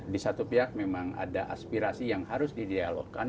di satu pihak memang ada aspirasi yang harus didialogkan